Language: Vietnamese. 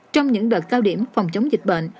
trong những đợt cao điểm phòng chống dịch bệnh